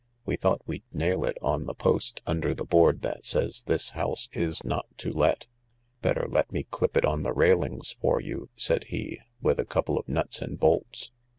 " "We thought we'd nail it on the post under the board that says 'This House is Not to Let.' "" Better let me clip it on the railings for you," said he " with a couple of nuts and bolts.